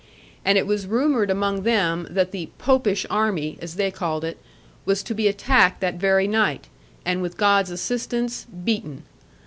And it was rumoured among them, that the 'popish army,' as they called it, was to be attacked that very night, and with God's assistance beaten.